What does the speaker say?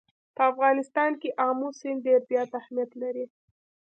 په افغانستان کې آمو سیند ډېر زیات اهمیت لري.